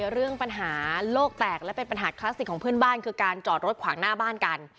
เรื่องปัญหาโลกแตกและเป็นปัญหาคลาสสิกของเพื่อนบ้านคือการจอดรถขวางหน้าบ้านกัน